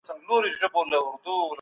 ایا ډاکټر دا سپارښتنه کوي؟